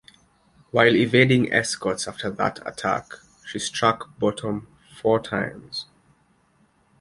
While evading escorts after that attack, she struck bottom four times.